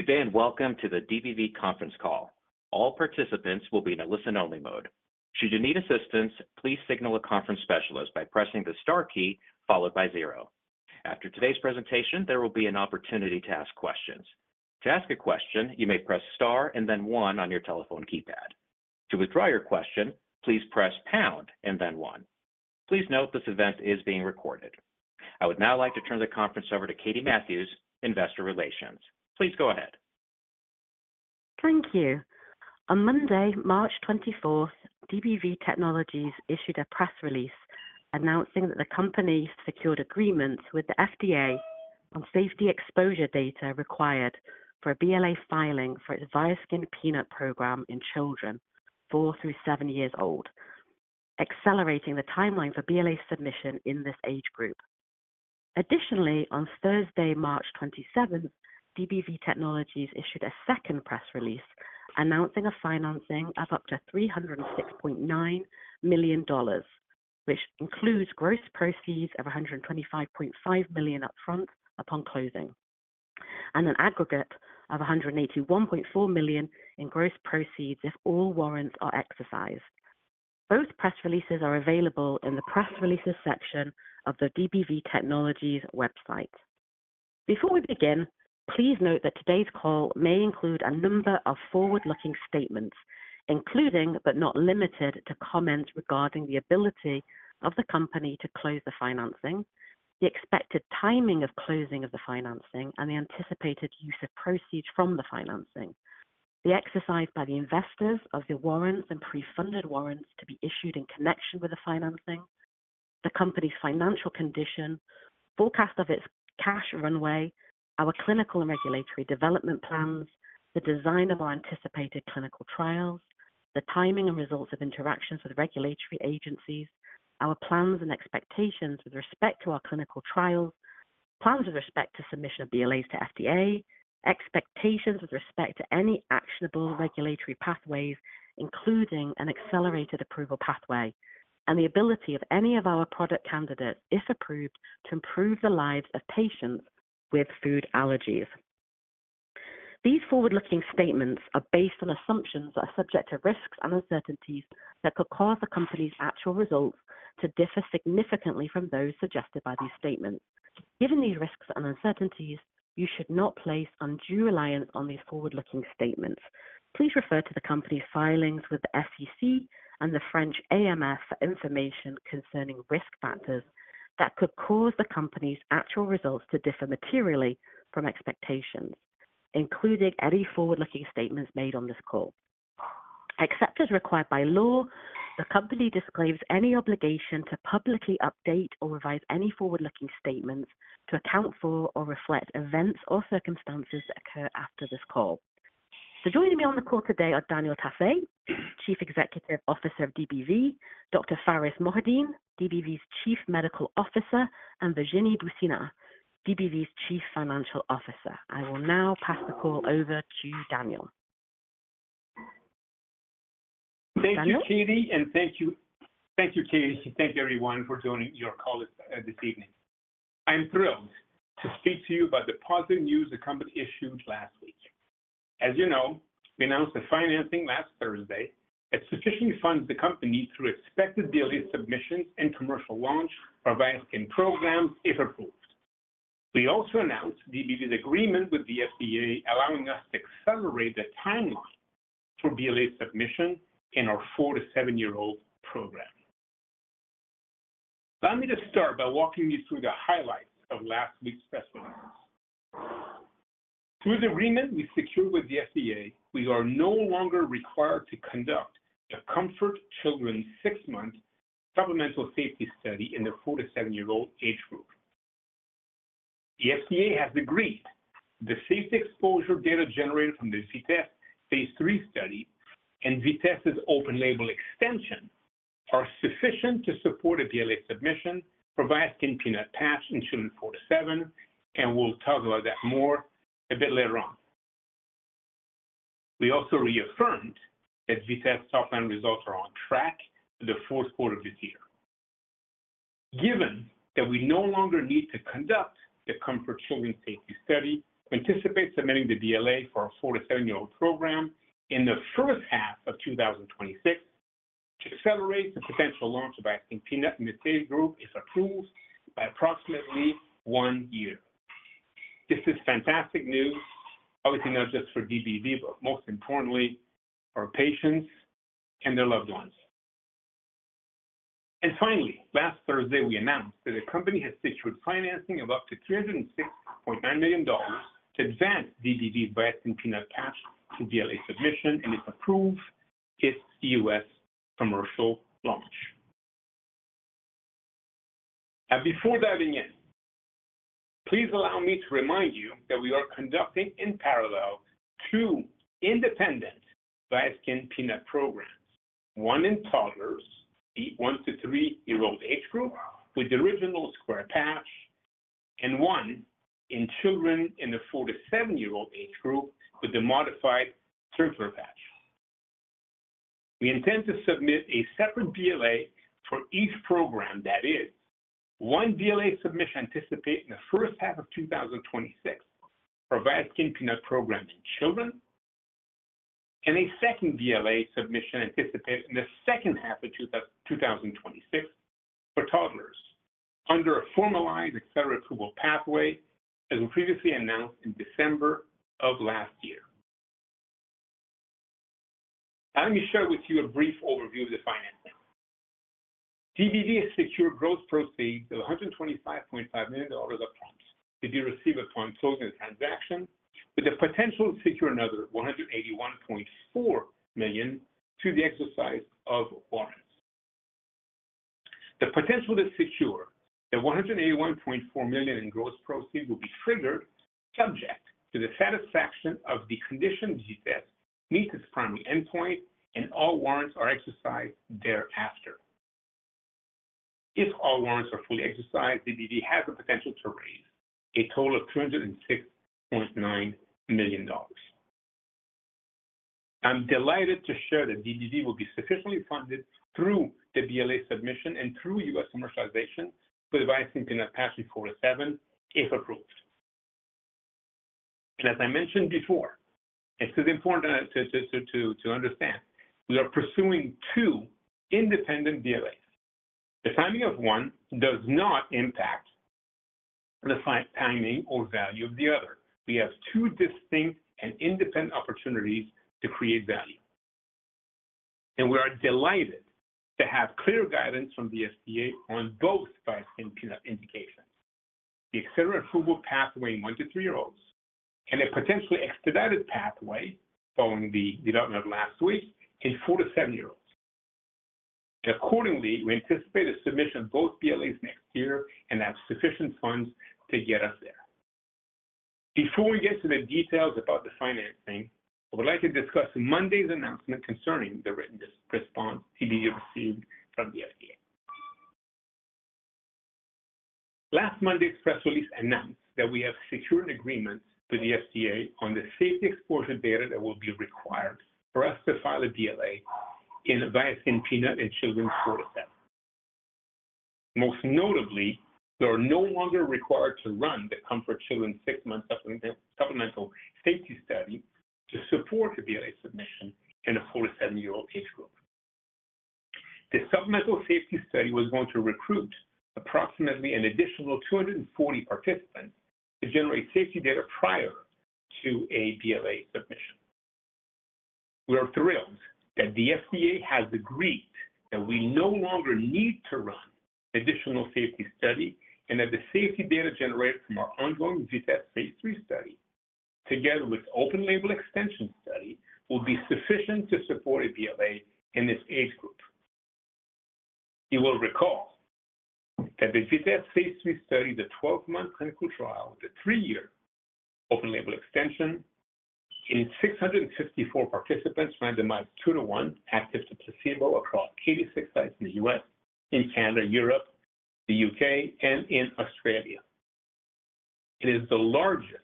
Good day, and welcome to the DBV Conference Call. All participants will be in a listen-only mode. Should you need assistance, please signal a conference specialist by pressing the star key followed by zero. After today's presentation, there will be an opportunity to ask questions. To ask a question, you may press star and then one on your telephone keypad. To withdraw your question, please press pound and then one. Please note this event is being recorded. I would now like to turn the conference over to Katie Matthews, Investor Relations. Please go ahead. Thank you. On Monday, March 24th, DBV Technologies issued a press release announcing that the company secured agreements with the FDA on safety exposure data required for a BLA filing for its Viaskin Peanut program in children four through seven years old, accelerating the timeline for BLA submission in this age group. Additionally, on Thursday, March 27th, DBV Technologies issued a second press release announcing a financing of up to $306.9 million, which includes gross proceeds of $125.5 million upfront upon closing, and an aggregate of $181.4 million in gross proceeds if all warrants are exercised. Both press releases are available in the press releases section of the DBV Technologies website. Before we begin, please note that today's call may include a number of forward-looking statements, including but not limited to comments regarding the ability of the company to close the financing, the expected timing of closing of the financing, and the anticipated use of proceeds from the financing, the exercise by the investors of the warrants and pre-funded warrants to be issued in connection with the financing, the company's financial condition, forecast of its cash runway, our clinical and regulatory development plans, the design of our anticipated clinical trials, the timing and results of interactions with regulatory agencies, our plans and expectations with respect to our clinical trials, plans with respect to submission of BLAs to FDA, expectations with respect to any actionable regulatory pathways, including an accelerated approval pathway, and the ability of any of our product candidates, if approved, to improve the lives of patients with food allergies. These forward-looking statements are based on assumptions that are subject to risks and uncertainties that could cause the company's actual results to differ significantly from those suggested by these statements. Given these risks and uncertainties, you should not place undue reliance on these forward-looking statements. Please refer to the company's filings with the SEC and the French AMF for information concerning risk factors that could cause the company's actual results to differ materially from expectations, including any forward-looking statements made on this call. Except as required by law, the company disclaims any obligation to publicly update or revise any forward-looking statements to account for or reflect events or circumstances that occur after this call. Joining me on the call today are Daniel Tassé, Chief Executive Officer of DBV Technologies, Dr. Pharis Mohideen, DBV's Chief Medical Officer, and Virginie Boucinha, DBV's Chief Financial Officer. I will now pass the call over to Daniel. Thank you, Katie, and thank you, everyone, for joining your call this evening. I'm thrilled to speak to you about the positive news the company issued last week. As you know, we announced the financing last Thursday that sufficiently funds the company through expected BLA submissions and commercial launch for Viaskin programs, if approved. We also announced DBV's agreement with the FDA, allowing us to accelerate the timeline for BLA submission in our four to seven-year-old program. Allow me to start by walking you through the highlights of last week's press release. Through the agreement we secured with the FDA, we are no longer required to conduct a COMFORT Children six-month supplemental safety study in the four to seven-year-old age group. The FDA has agreed the safety exposure data generated from the VITESSE phase III study and VITESSE's open label extension are sufficient to support a BLA submission for Viaskin Peanut patch in children four to seven, and we'll talk about that more a bit later on. We also reaffirmed that VITESSE top-line results are on track for the fourth quarter of this year. Given that we no longer need to conduct the COMFORT Children safety study, we anticipate submitting the BLA for our four to seven-year-old program in the first half of 2026 to accelerate the potential launch of Viaskin Peanut in the same group if approved by approximately one year. This is fantastic news, obviously not just for DBV, but most importantly for our patients and their loved ones. Finally, last Thursday, we announced that the company has secured financing of up to $306.9 million to advance DBV's Viaskin Peanut patch to BLA submission and, if approved, U.S. commercial launch. Now, before diving in, please allow me to remind you that we are conducting in parallel two independent Viaskin Peanut programs, one in toddlers, the one to three-year-old age group with the original square patch, and one in children in the four to seven-year-old age group with the modified circular patch. We intend to submit a separate BLA for each program, that is, one BLA submission anticipated in the first half of 2026 for the Viaskin Peanut program in children, and a second BLA submission anticipated in the second half of 2026 for toddlers under a formalized accelerated approval pathway, as we previously announced in December of last year. Now, let me share with you a brief overview of the financing. DBV has secured gross proceeds of $125.5 million upfront to be received upon closing the transaction, with the potential to secure another $181.4 million through the exercise of warrants. The potential to secure the $181.4 million in gross proceeds will be triggered subject to the satisfaction of the condition VITESSE meets its primary endpoint, and all warrants are exercised thereafter. If all warrants are fully exercised, DBV has the potential to raise a total of $306.9 million. I'm delighted to share that DBV will be sufficiently funded through the BLA submission and through U.S. commercialization for the Viaskin Peanut patch in four to seven, if approved. As I mentioned before, this is important to understand. We are pursuing two independent BLAs. The timing of one does not impact the timing or value of the other. We have two distinct and independent opportunities to create value. We are delighted to have clear guidance from the FDA on both Viaskin Peanut indications. The accelerated approval pathway in one to three-year-olds and a potentially expedited pathway following the development of last week in four to seven-year-olds. Accordingly, we anticipate the submission of both BLAs next year and have sufficient funds to get us there. Before we get to the details about the financing, I would like to discuss Monday's announcement concerning the written response DBV received from the FDA. Last Monday's press release announced that we have secured an agreement with the FDA on the safety exposure data that will be required for us to file a BLA in Viaskin Peanut in children four to seven. Most notably, they are no longer required to run the COMFORT Children six-month supplemental safety study to support a BLA submission in a four to seven-year-old age group. The supplemental safety study was going to recruit approximately an additional 240 participants to generate safety data prior to a BLA submission. We are thrilled that the FDA has agreed that we no longer need to run an additional safety study and that the safety data generated from our ongoing VITESSE phase III study, together with the open label extension study, will be sufficient to support a BLA in this age group. You will recall that the VITESSE phase III study, the 12-month clinical trial with a three-year open label extension in 654 participants randomized 2:1 active to placebo across 86 sites in the U.S., in Canada, Europe, the U.K., and in Australia. It is the largest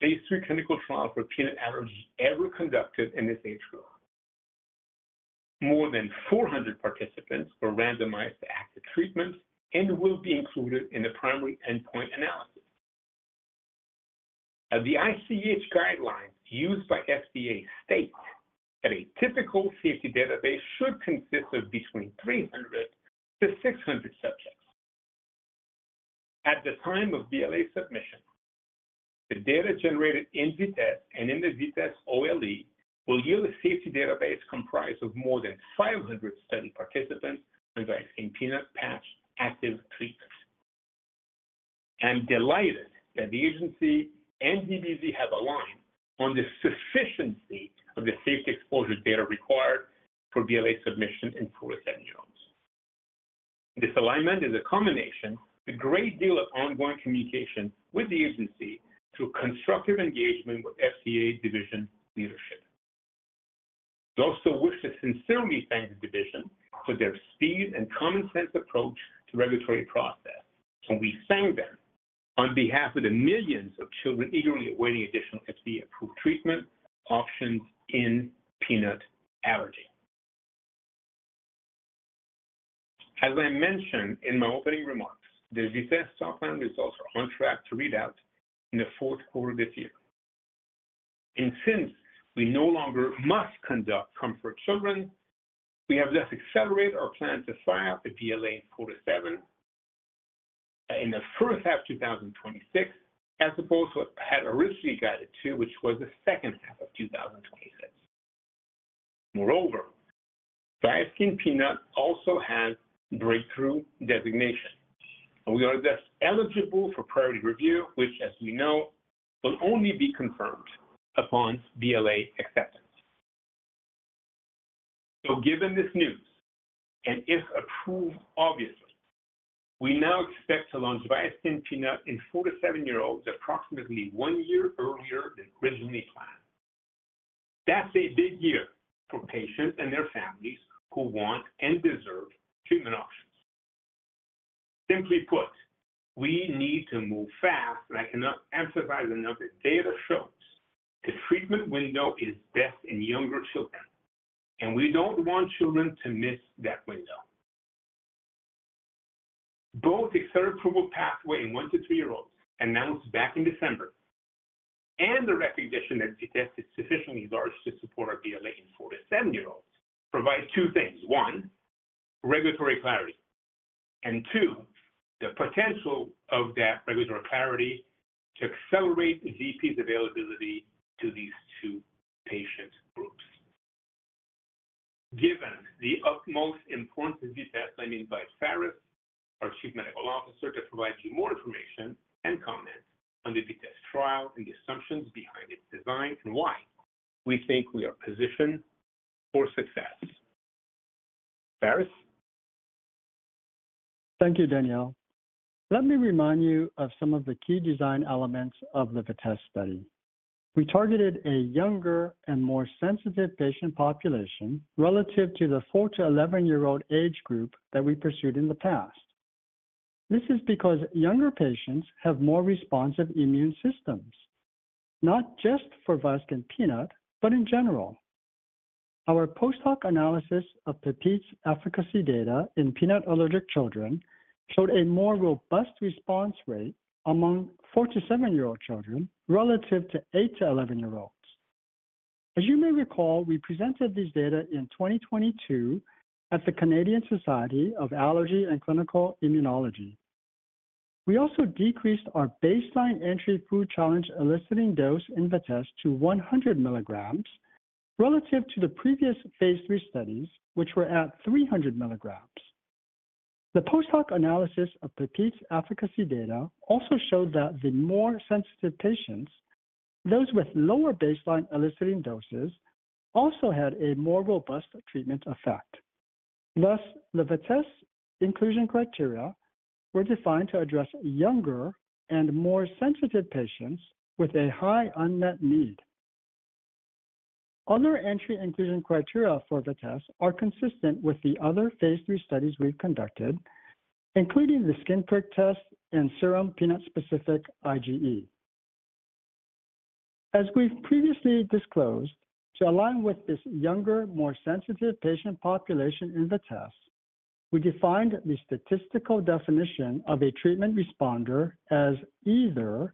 phase III clinical trial for peanut allergy ever conducted in this age group. More than 400 participants were randomized to active treatments and will be included in the primary endpoint analysis. The ICH guidelines used by FDA state that a typical safety database should consist of between 300-600 subjects. At the time of BLA submission, the data generated in VITESSE and in the VITESSE OLE will yield a safety database comprised of more than 500 study participants on Viaskin Peanut patch active treatments. I'm delighted that the agency and DBV have aligned on the sufficiency of the safety exposure data required for BLA submission in four to seven-year-olds. This alignment is a combination with a great deal of ongoing communication with the agency through constructive engagement with FDA division leadership. We also wish to sincerely thank the division for their speed and common sense approach to the regulatory process. We thank them on behalf of the millions of children eagerly awaiting additional FDA-approved treatment options in peanut allergy. As I mentioned in my opening remarks, the VITESSE top-line results are on track to read out in the fourth quarter of this year. Since we no longer must conduct COMFORT Children, we have thus accelerated our plan to file a BLA in four to seven in the first half of 2026, as opposed to what we had originally guided to, which was the second half of 2026. Moreover, Viaskin Peanut also has breakthrough designation. We are thus eligible for priority review, which, as we know, will only be confirmed upon BLA acceptance. Given this news, and if approved obviously, we now expect to launch Viaskin Peanut in four to seven-year-olds approximately one year earlier than originally planned. That's a big year for patients and their families who want and deserve treatment options. Simply put, we need to move fast, and I cannot emphasize enough that data shows the treatment window is best in younger children, and we don't want children to miss that window. Both accelerated approval pathway in one to three-year-olds announced back in December, and the recognition that VITESSE is sufficiently large to support a BLA in four to seven-year-olds provides two things. One, regulatory clarity. Two, the potential of that regulatory clarity to accelerate the VP's availability to these two patient groups. Given the utmost importance of VITESSE, I invite Pharis, our Chief Medical Officer, to provide you more information and comment on the VITESSE trial and the assumptions behind its design and why we think we are positioned for success. Pharis? Thank you, Daniel. Let me remind you of some of the key design elements of the VITESSE study. We targeted a younger and more sensitive patient population relative to the four to eleven-year-old age group that we pursued in the past. This is because younger patients have more responsive immune systems, not just for Viaskin Peanut, but in general. Our post-hoc analysis of PEPITES efficacy data in peanut allergic children showed a more robust response rate among four to seven-year-old children relative to eight to eleven-year-olds. As you may recall, we presented these data in 2022 at the Canadian Society of Allergy and Clinical Immunology. We also decreased our baseline entry food challenge eliciting dose in VITESSE to 100 mg relative to the previous phase III studies, which were at 300 mg. The post-hoc analysis of PEPITES efficacy data also showed that the more sensitive patients, those with lower baseline eliciting doses, also had a more robust treatment effect. Thus, the VITESSE inclusion criteria were defined to address younger and more sensitive patients with a high unmet need. Other entry inclusion criteria for VITESSE are consistent with the other phase III studies we've conducted, including the skin prick test and serum peanut-specific IgE. As we've previously disclosed, to align with this younger, more sensitive patient population in VITESSE, we defined the statistical definition of a treatment responder as either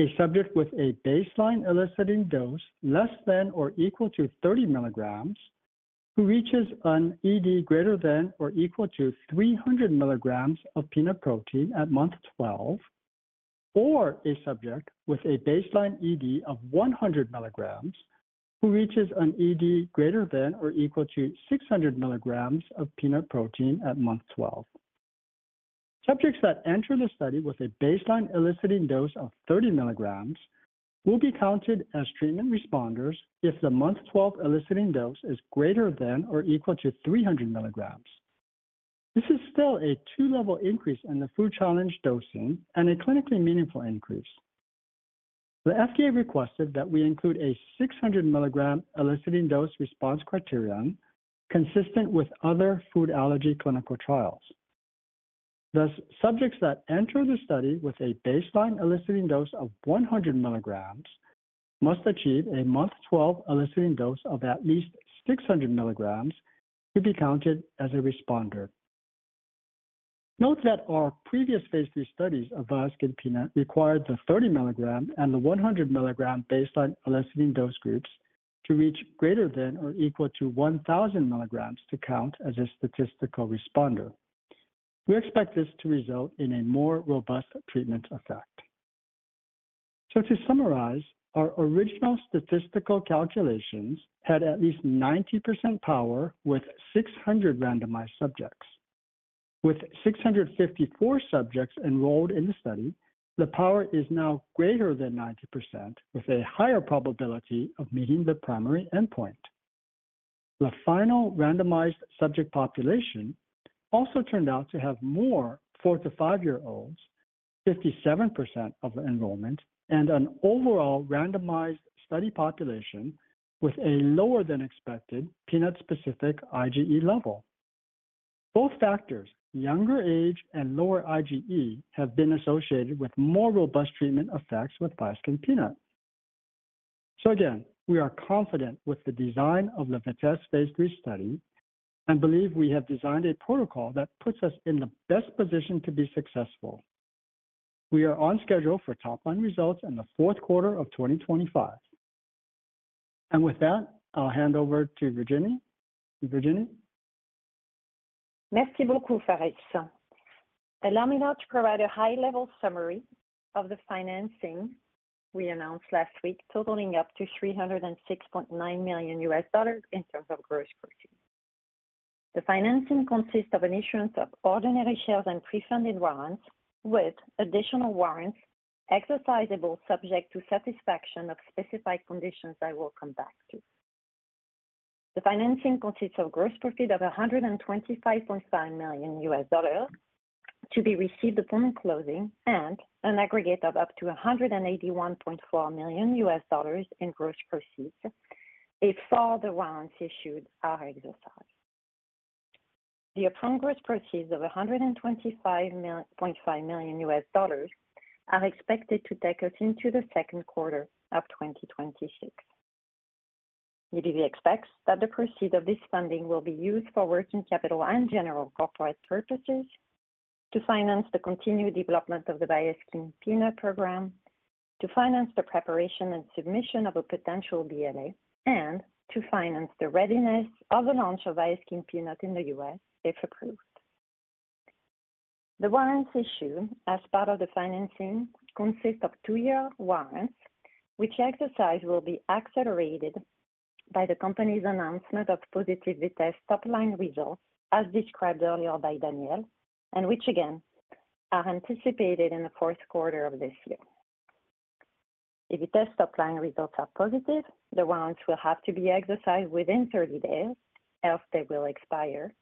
a subject with a baseline eliciting dose less than or equal to 30 mg, who reaches an ED greater than or equal to 300 mg of peanut protein at month 12, or a subject with a baseline ED of 100 mg, who reaches an ED greater than or equal to 600 mg of peanut protein at month 12. Subjects that enter the study with a baseline eliciting dose of 30 mg will be counted as treatment responders if the month 12 eliciting dose is greater than or equal to 300 mg. This is still a two-level increase in the food challenge dosing and a clinically meaningful increase. The FDA requested that we include a 600 milligram eliciting dose response criterion consistent with other food allergy clinical trials. Thus, subjects that enter the study with a baseline eliciting dose of 100 mg must achieve a month 12 eliciting dose of at least 600 mg to be counted as a responder. Note that our previous phase III studies of Viaskin Peanut required the 30 milligram and the 100 milligram baseline eliciting dose groups to reach greater than or equal to 1,000 mg to count as a statistical responder. We expect this to result in a more robust treatment effect. To summarize, our original statistical calculations had at least 90% power with 600 randomized subjects. With 654 subjects enrolled in the study, the power is now greater than 90%, with a higher probability of meeting the primary endpoint. The final randomized subject population also turned out to have more four to five-year-olds, 57% of the enrollment, and an overall randomized study population with a lower than expected peanut-specific IgE level. Both factors, younger age and lower IgE, have been associated with more robust treatment effects with Viaskin Peanut. We are confident with the design of the VITESSE phase III study and believe we have designed a protocol that puts us in the best position to be successful. We are on schedule for top-line results in the fourth quarter of 2025. With that, I'll hand over to Virginie. Merci beaucoup, Pharis. Allow me now to provide a high-level summary of the financing we announced last week, totaling up to $306.9 million in terms of gross profit. The financing consists of an issuance of ordinary shares and pre-funded warrants, with additional warrants exercisable subject to satisfaction of specified conditions I will come back to. The financing consists of gross profit of $125.5 million to be received upon closing and an aggregate of up to $181.4 million in gross proceeds if all the warrants issued are exercised. The upon gross proceeds of $125.5 million are expected to take us into the second quarter of 2026. DBV expects that the proceeds of this funding will be used for working capital and general corporate purposes to finance the continued development of the Viaskin Peanut program, to finance the preparation and submission of a potential BLA, and to finance the readiness of the launch of Viaskin Peanut in the U.S., if approved. The warrants issued as part of the financing consist of two-year warrants, which exercise will be accelerated by the company's announcement of positive VITESSE top-line results, as described earlier by Daniel, and which, again, are anticipated in the fourth quarter of this year. If VITESSE top-line results are positive, the warrants will have to be exercised within 30 days else they will expire.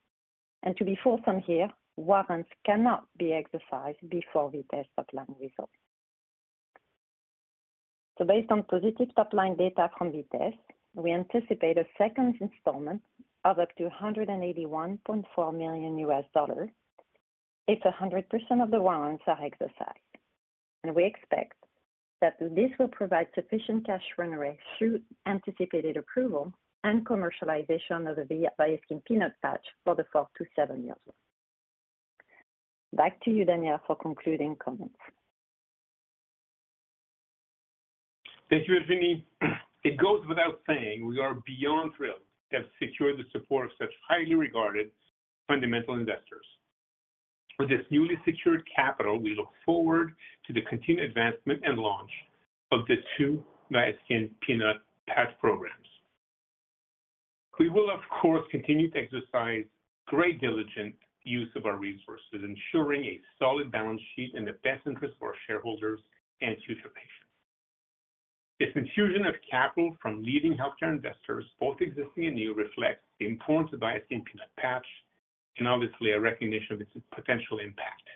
To be fulsome here, warrants cannot be exercised before VITESSE top-line results. Based on positive top-line data from VITESSE, we anticipate a second installment of up to $181.4 million. dollars if 100% of the warrants are exercised. We expect that this will provide sufficient cash runway through anticipated approval and commercialization of the Viaskin Peanut patch for the four to seven-year run. Back to you, Daniel, for concluding comments. Thank you, Virginie. It goes without saying we are beyond thrilled to have secured the support of such highly regarded fundamental investors. With this newly secured capital, we look forward to the continued advancement and launch of the two Viaskin Peanut patch programs. We will, of course, continue to exercise great diligent use of our resources, ensuring a solid balance sheet in the best interest of our shareholders and future patients. This infusion of capital from leading healthcare investors, both existing and new, reflects the importance of Viaskin Peanut patch and obviously a recognition of its potential impact,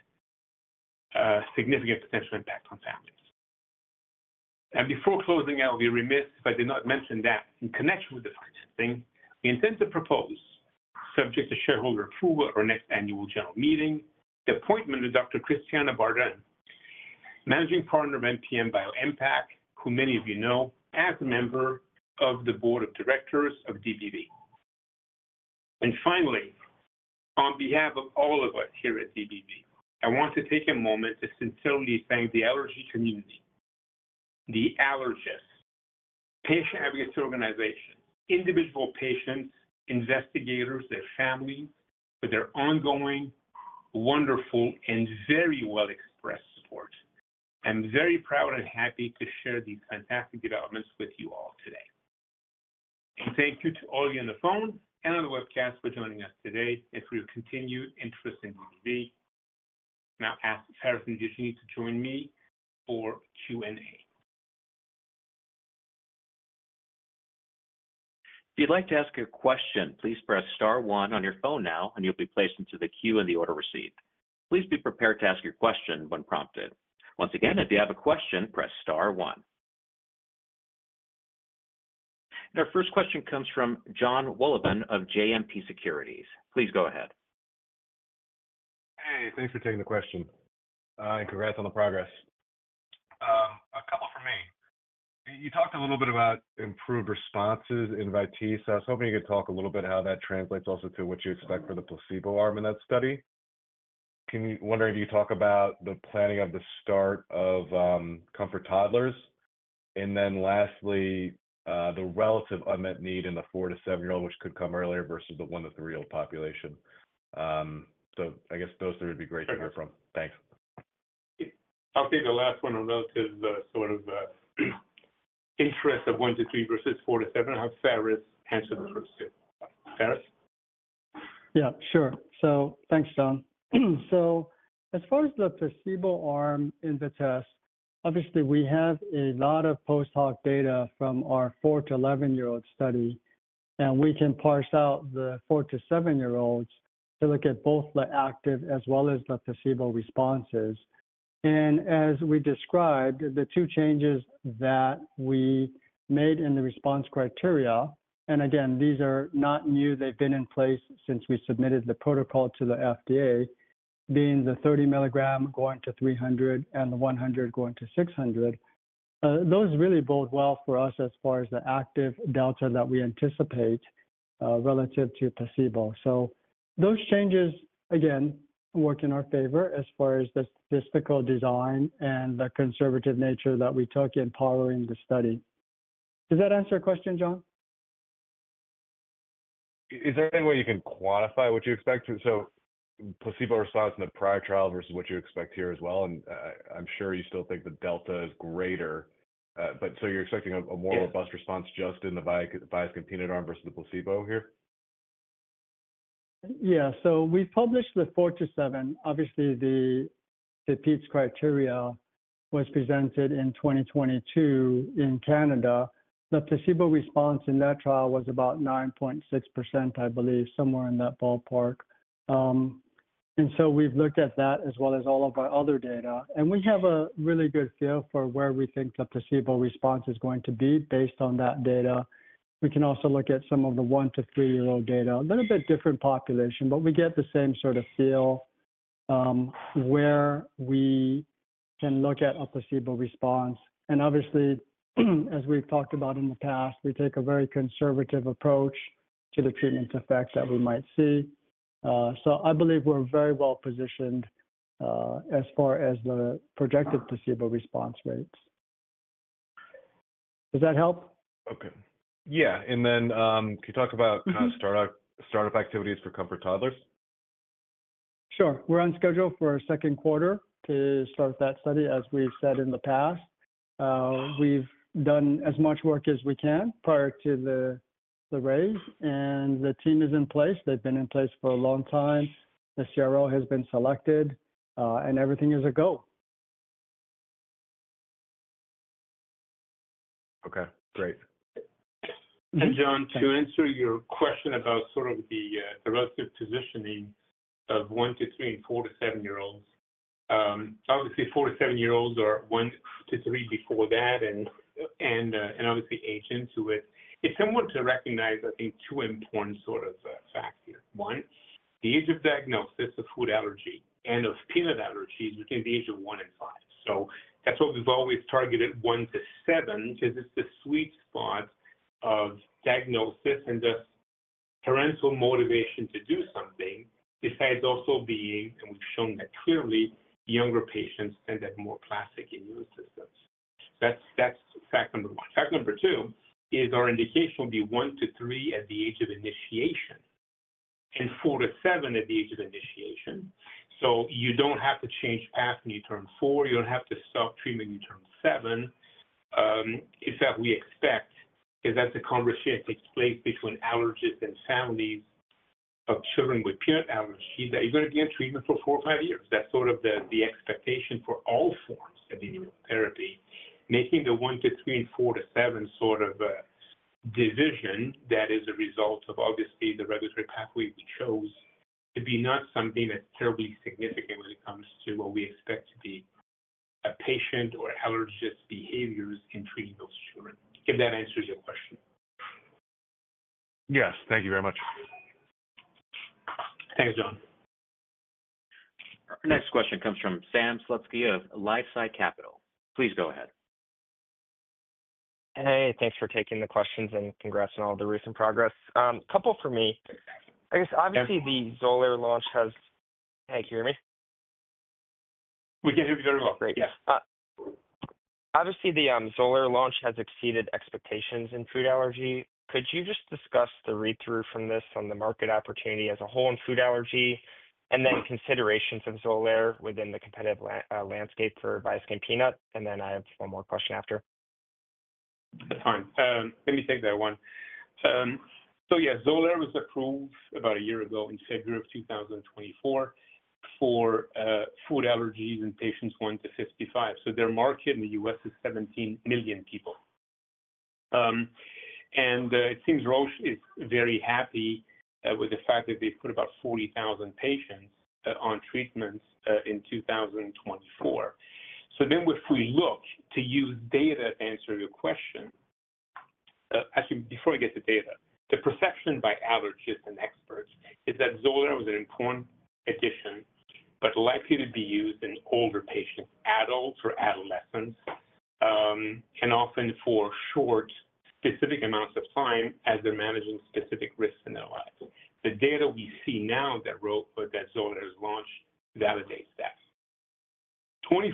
significant potential impact on families. Before closing, I'll be remiss if I did not mention that in connection with the financing, we intend to propose, subject to shareholder approval at our next annual general meeting, the appointment of Dr. Christiana Bardon, Managing Partner of MPM BioImpact, who many of you know as a member of the Board of Directors of DBV. Finally, on behalf of all of us here at DBV, I want to take a moment to sincerely thank the allergy community, the allergists, patient advocacy organizations, individual patients, investigators, their families, for their ongoing, wonderful, and very well-expressed support. I'm very proud and happy to share these fantastic developments with you all today. Thank you to all of you on the phone and on the webcast for joining us today and for your continued interest in DBV. Now, I'll ask Pharis and Virginie to join me for Q&A. If you'd like to ask a question, please press star one on your phone now, and you'll be placed into the queue in the order received. Please be prepared to ask your question when prompted. Once again, if you have a question, press star one. Our first question comes from Jon Wolleben of JMP Securities. Please go ahead. Hey, thanks for taking the question. Congrats on the progress. A couple for me. You talked a little bit about improved responses in VITESSE, so I was hoping you could talk a little bit how that translates also to what you expect for the placebo arm in that study. Wondering, do you talk about the planning of the start of COMFORT Toddlers? Lastly, the relative unmet need in the four to seven-year-old, which could come earlier versus the one to three-year-old population. I guess those three would be great to hear from. Thanks. I'll take the last one on relative sort of interest of one to three versus four to seven, and have Pharis answer the first two. Pharis? Yeah, sure. Thanks, Jon. As far as the placebo arm in VITESSE, obviously we have a lot of post-hoc data from our four to eleven-year-old study, and we can parse out the four to seven-year-olds to look at both the active as well as the placebo responses. As we described, the two changes that we made in the response criteria, and again, these are not new, they have been in place since we submitted the protocol to the FDA, being the 30 milligram going to 300 and the 100 going to 600, those really bode well for us as far as the active delta that we anticipate relative to placebo. Those changes, again, work in our favor as far as the statistical design and the conservative nature that we took in powering the study. Does that answer your question, Jon? Is there any way you can quantify what you expect? Placebo response in the prior trial versus what you expect here as well? I am sure you still think the delta is greater, but you are expecting a more robust response just in the Viaskin Peanut arm versus the placebo here? Yeah. We published the four to seven. Obviously, the PEPITES criteria was presented in 2022 in Canada. The placebo response in that trial was about 9.6%, I believe, somewhere in that ballpark. We have looked at that as well as all of our other data. We have a really good feel for where we think the placebo response is going to be based on that data. We can also look at some of the one to three-year-old data, a little bit different population, but we get the same sort of feel where we can look at a placebo response. Obviously, as we've talked about in the past, we take a very conservative approach to the treatment effect that we might see. I believe we're very well positioned as far as the projected placebo response rates. Does that help? Okay. Yeah. Can you talk about kind of startup activities for COMFORT Toddlers? Sure. We're on schedule for our second quarter to start that study, as we've said in the past. We've done as much work as we can prior to the raise, and the team is in place. They've been in place for a long time. The CRO has been selected, and everything is a go. Okay. Great. Jon, to answer your question about sort of the relative positioning of one to three and four to seven-year-olds, obviously four to seven-year-olds are one to three before that, and obviously aging to it. It's important to recognize, I think, two important sort of facts here. One, the age of diagnosis of food allergy and of peanut allergy is between the age of one and five. That's why we've always targeted one to seven because it's the sweet spot of diagnosis and just parental motivation to do something besides also being, and we've shown that clearly, younger patients tend to have more plastic immune systems. That's fact number one. Fact number two is our indication will be one to three at the age of initiation and four to seven at the age of initiation. You don't have to change path when you turn four. You don't have to stop treatment when you turn seven. In fact, we expect because that's a conversation that takes place between allergists and families of children with peanut allergies that you're going to be in treatment for four or five years. That's sort of the expectation for all forms of immunotherapy. Making the one to three and four to seven sort of division that is a result of obviously the regulatory pathway we chose to be not something that's terribly significant when it comes to what we expect to be a patient or allergist behaviors in treating those children. If that answers your question. Yes. Thank you very much. Thanks, Jon. Our next question comes from Sam Slutsky of LifeSci Capital. Please go ahead. Hey, thanks for taking the questions and congrats on all the recent progress. A couple for me. I guess obviously the Xolair launch has—hey, can you hear me? We can hear you very well. Great. Yeah. Obviously, the Xolair launch has exceeded expectations in food allergy. Could you just discuss the read-through from this on the market opportunity as a whole in food allergy and then considerations of Xolair within the competitive landscape for Viaskin Peanut? I have one more question after. That's fine. Let me take that one. Yeah, Xolair was approved about a year ago in February of 2024 for food allergies in patients one to 55. Their market in the U.S. is 17 million people. It seems Roche is very happy with the fact that they've put about 40,000 patients on treatments in 2024. If we look to use data to answer your question, actually, before I get to data, the perception by allergists and experts is that Xolair was an important addition, but likely to be used in older patients, adults or adolescents, and often for short, specific amounts of time as they're managing specific risks in their lives. The data we see now that Xolair has launched validates that. 24%,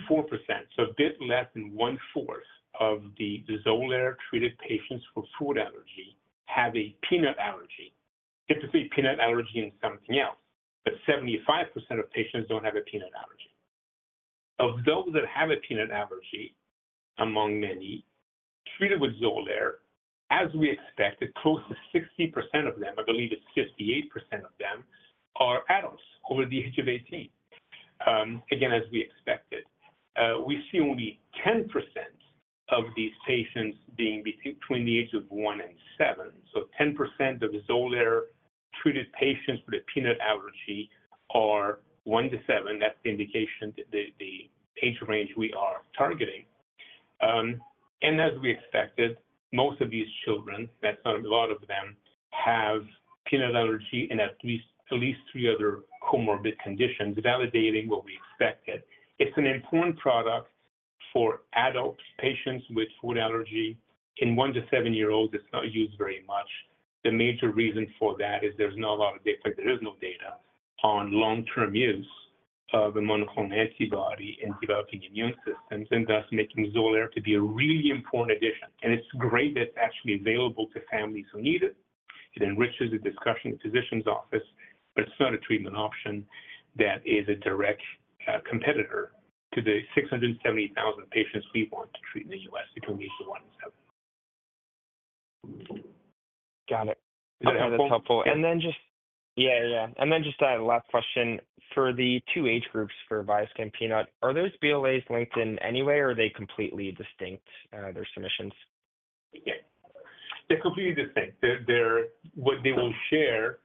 so a bit less than one-fourth of the Xolair-treated patients for food allergy have a peanut allergy, typically peanut allergy and something else, but 75% of patients do not have a peanut allergy. Of those that have a peanut allergy, among many, treated with Xolair, as we expected, close to 60% of them, I believe it is 58% of them, are adults over the age of 18. Again, as we expected, we see only 10% of these patients being between the age of one and seven. 10% of Xolair-treated patients with a peanut allergy are one to seven. That is the indication, the age range we are targeting. As we expected, most of these children, that is not a lot of them, have peanut allergy and at least three other comorbid conditions, validating what we expected. It is an important product for adult patients with food allergy. In one to seven-year-olds, it's not used very much. The major reason for that is there's not a lot of data; there is no data on long-term use of a monoclonal antibody in developing immune systems and thus making Xolair to be a really important addition. It's great that it's actually available to families who need it. It enriches the discussion in the physician's office, but it's not a treatment option that is a direct competitor to the 670,000 patients we want to treat in the U.S., between the age of one and seven. Got it. That's helpful. Just a last question. For the two age groups for Viaskin Peanut, are those BLAs linked in any way, or are they completely distinct, their submissions? Yeah. They're completely distinct. What they will share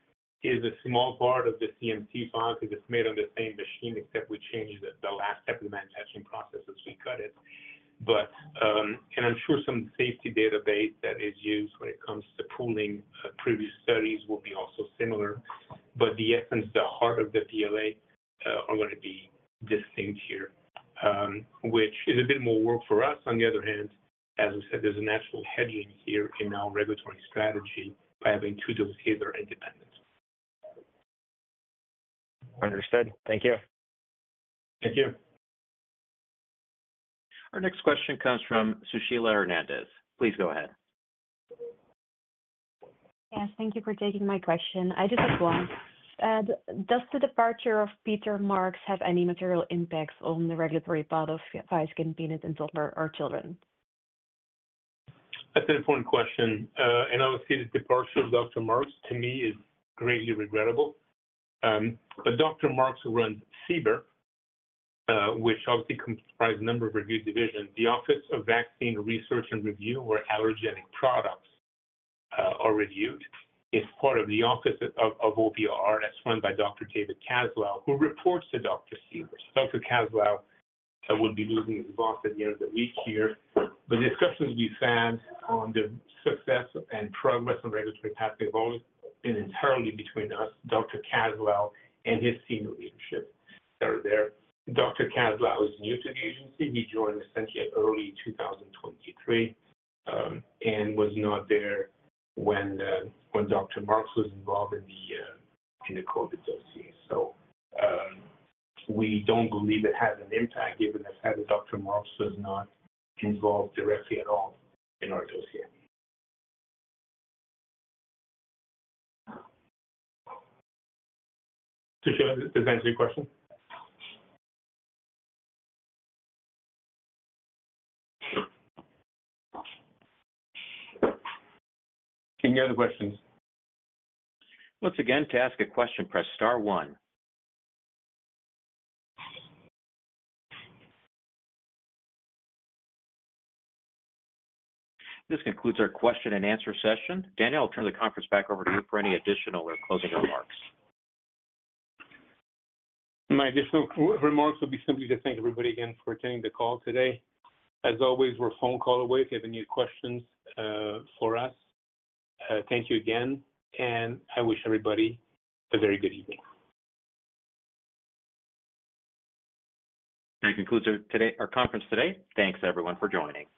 is a small part of the CMC file because it's made on the same machine, except we changed the last step of the manufacturing process as we cut it. I'm sure some safety database that is used when it comes to pooling previous studies will be also similar. The essence, the heart of the BLA are going to be distinct here, which is a bit more work for us. On the other hand, as we said, there's a natural hedging here in our regulatory strategy by having two doses here that are independent. Understood. Thank you. Thank you. Our next question comes from Sushila Hernandez. Please go ahead. Yes. Thank you for taking my question. I just have one. Does the departure of Peter Marks have any material impacts on the regulatory part of Viaskin Peanut and Xolair for children? That's an important question. Obviously, the departure of Dr. Marks, to me, is greatly regrettable. Dr. Marks runs CBER, which obviously comprises a number of review divisions. The Office of Vaccine Research and Review, where allergenic products are reviewed, is part of the Office of OVRR that's run by Dr. David Kaslow, who reports to [Dr. Marks]. Dr. Kaslow would be losing his boss at the end of the week here. The discussions we've had on the success and progress of regulatory pathway have always been entirely between us, Dr. Kaslow, and his senior leadership that are there. Dr. Kaslow is new to the agency. He joined essentially early 2023 and was not there when Dr. Marks was involved in the COVID dosing. We don't believe it has an impact given the fact that Dr. Marks was not involved directly at all in our dosing. Does that answer your question? Any other questions? Once again, to ask a question, press star one. This concludes our question and answer session. Daniel, I'll turn the conference back over to you for any additional or closing remarks. My additional remarks would be simply to thank everybody again for attending the call today. As always, we're a phone call away if you have any questions for us. Thank you again. I wish everybody a very good evening. That concludes our conference today. Thanks, everyone, for joining.